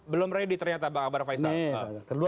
belum ready ternyata bang akbar faisal